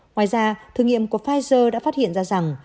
ngoài ra thử nghiệm của pfizer đã phát hiện ra rằng